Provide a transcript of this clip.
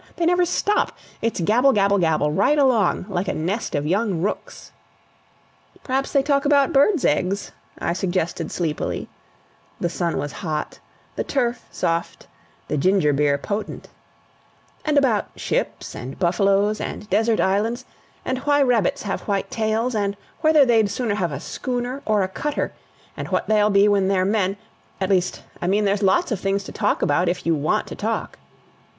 They never stop; it's gabble, gabble, gabble right along, like a nest of young rooks!" "P'raps they talk about birds' eggs," I suggested sleepily (the sun was hot, the turf soft, the ginger beer potent); "and about ships, and buffaloes, and desert islands; and why rabbits have white tails; and whether they'd sooner have a schooner or a cutter; and what they'll be when they're men at least, I mean there's lots of things to talk about, if you WANT to talk."